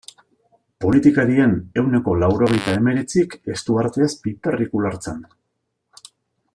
Politikarien ehuneko laurogeita hemeretzik ez du arteaz piperrik ulertzen.